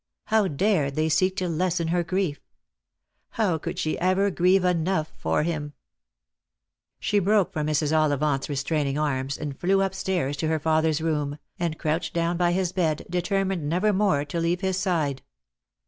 How dared they seek to lessen her grief? How could she ever grieve enough for him? She broke from Mrs. Ollivant's restraining arms, and flew up stairs to her father's room, and crouched down by his bed, deter mined never more to leave his side.